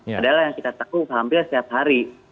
adalah yang kita takut hampir setiap hari